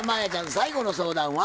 最後の相談は？